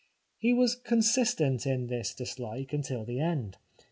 He was consistent in this dislike until the end.